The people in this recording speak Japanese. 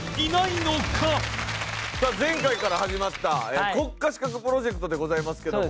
さあ前回から始まった国家資格プロジェクトでございますけども。